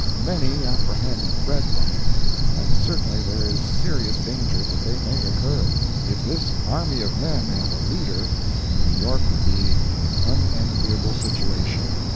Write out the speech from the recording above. Many apprehend bread riots, and certainly there is serious danger that they may occur. If this army of men had a leader, New York would be in an unenviable situation.